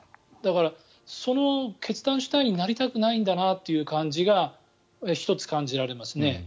だから、その決断主体になりたくないんだなという感じが１つ感じられますね。